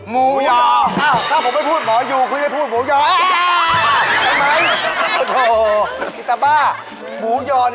หมูยอ